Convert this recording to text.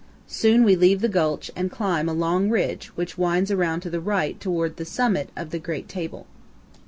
Soon we leave the gulch and climb a long ridge which winds around to the right toward the summit of the great table.